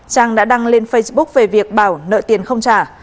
trang đã đăng lên facebook về việc bảo nợ tiền không trả